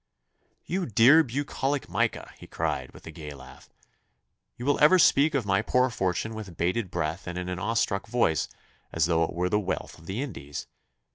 'You dear bucolic Micah!' he cried, with a gay laugh. 'You will ever speak of my poor fortune with bated breath and in an awestruck voice, as though it were the wealth of the Indies.